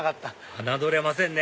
侮れませんね！